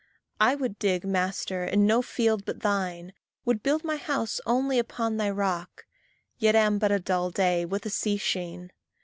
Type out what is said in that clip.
I would dig, Master, in no field but thine, Would build my house only upon thy rock, Yet am but a dull day, with a sea sheen!